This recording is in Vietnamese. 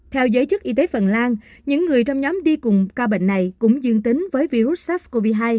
theo giới chức y tế phần lan những người trong nhóm đi cùng ca bệnh này cũng dương tính với virus sars cov hai